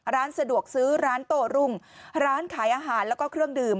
ร้านสะดวกซื้อร้านโต้รุ่งร้านขายอาหารแล้วก็เครื่องดื่ม